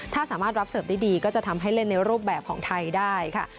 ถ้าสามารถรับเสิร์ฟได้ดีก็จะทำให้เล่นในรูปแบบของไทยได้ค่ะ